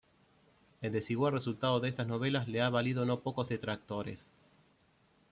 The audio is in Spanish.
El desigual resultado de estas novelas le ha valido no pocos detractores.